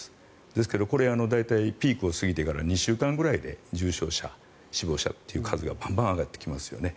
ですけど、ピークを過ぎてから大体２週間ぐらいで重症者、死亡者という数がバンバン上がっていきますよね。